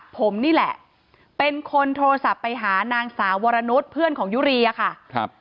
ผมนี่แหละเป็นคนโทรศัพท์ไปหานางสาววรนุษย์เพื่อนของยุรีอะค่ะครับ